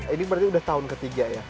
ini berarti udah tahun ketiga ya